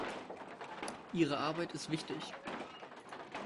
Ihre Arbeit ist wichtig.